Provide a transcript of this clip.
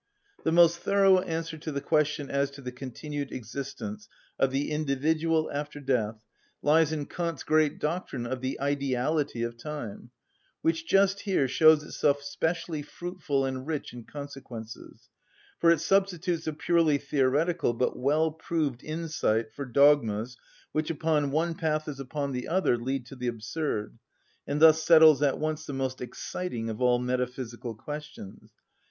The most thorough answer to the question as to the continued existence of the individual after death lies in Kant's great doctrine of the ideality of time, which just here shows itself specially fruitful and rich in consequences, for it substitutes a purely theoretical but well‐proved insight for dogmas which upon one path as upon the other lead to the absurd, and thus settles at once the most exciting of all metaphysical questions.